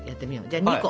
じゃあ２個。